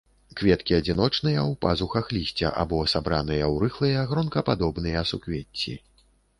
Кветкі адзіночныя ў пазухах лісця або сабраныя ў рыхлыя гронкападобныя суквецці.